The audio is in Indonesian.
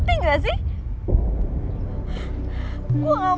jangan nyetik tim coloc uitmu